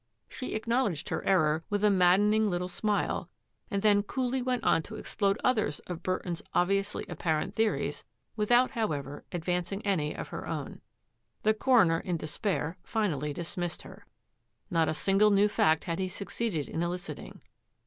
She acknowledged her error with a maddening little smile, and then coolly went on to explode others of Burton's obviously apparent theories, without, however, advancing any of her own. The coroner in despair finally dismissed her. Not a single new fact had he succeeded in eliciting.